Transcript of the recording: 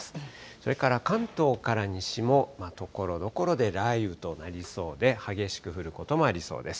それから関東から西もところどころで雷雨となりそうで、激しく降ることもありそうです。